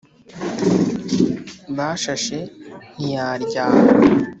bashashe ntiyalyama